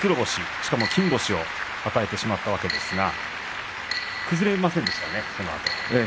しかも金星を与えてしまったわけですが崩れませんでしたね。